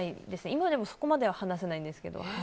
今でもそこまでは話せないんですけど。